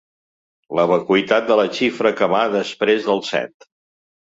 La vacuïtat de la xifra que va després del set.